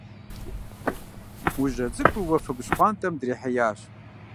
Ужьэ цӀыкӀур уафэгу щхъуантӀэм дрихьеящ.